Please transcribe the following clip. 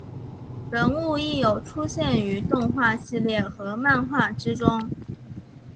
人物亦有出现于动画系列和漫画之中。